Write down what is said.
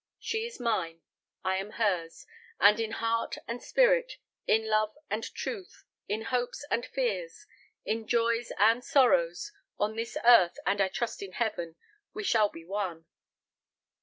She is mine; I am hers; and in heart and spirit, in love and truth, in hopes and fears, in joys and sorrows, on this earth and I trust in heaven, we shall be one."